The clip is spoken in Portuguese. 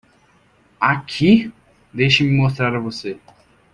Aqui?, deixe-me mostrar a você.